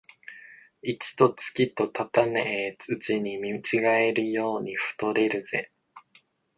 一と月とたたねえうちに見違えるように太れるぜ